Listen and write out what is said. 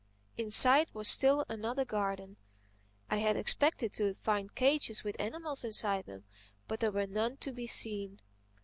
Inside was still another garden. I had expected to find cages with animals inside them. But there were none to be seen.